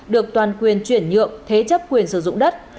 được toàn quyền chuyển nhượng thế chấp quyền sử dụng đất